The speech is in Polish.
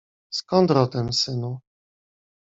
Skąd rodem, synu?